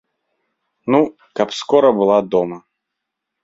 Ну, каб скора была дома.